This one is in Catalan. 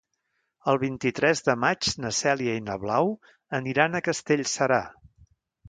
El vint-i-tres de maig na Cèlia i na Blau aniran a Castellserà.